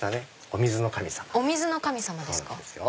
お水の神様ですか。